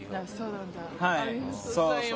ありがとうございます。